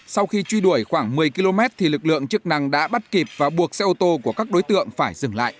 sau khi truy đuổi khoảng một mươi km thì lực lượng chức năng đã bắt kịp và buộc xe ô tô của các đối tượng phải dừng lại